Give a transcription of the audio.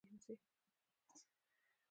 ایاز جان وايي اته بجې باید رېډي اوسئ.